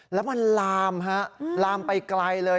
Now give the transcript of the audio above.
แล้วมันลามฮะลามไปไกลเลย